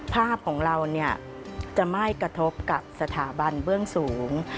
ภาพของเราจะไม่กระทบกับสถาบันเบื้องสูง